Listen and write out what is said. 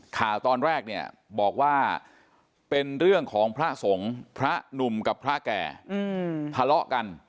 ข่าวตอนแรกเนี่ยบอกว่าเป็นเรื่องของพระสงฆ์พระหนุ่มกับพระแก่ทะเลาะกัน